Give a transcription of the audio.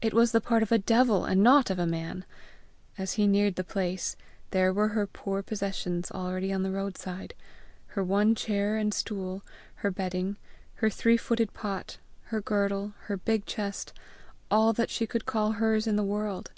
It was the part of a devil and not of a man! As he neared the place there were her poor possessions already on the roadside! her one chair and stool, her bedding, her three footed pot, her girdle, her big chest, all that she could call hers in the world!